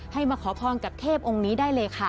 มาขอพรกับเทพองค์นี้ได้เลยค่ะ